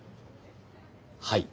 はい。